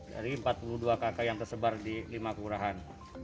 dari empat puluh dua kakak yang tersebar di lima kelurahan